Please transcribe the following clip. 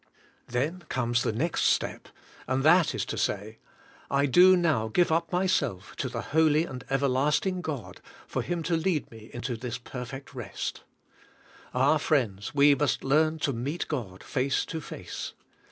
Then comes the next step, and that is to say: "I do now give up myself to the holy and ever lasting God, for Him to lead me into this perfect rest." Ah, friends, we must learn to meet God face to face.